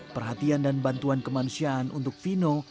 perhatian dan bantuan kemanusiaan untuk vino